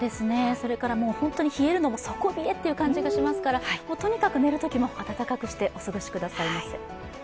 もう本当に冷えるのも底冷えという感じがしますからとにかく寝るときも暖かくしてお過ごしくださいませ。